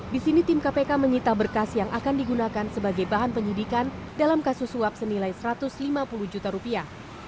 di sini tim kpk menyita berkas yang akan digunakan sebagai bahan penyidikan dalam kasus suap senilai satu ratus lima puluh juta rupiah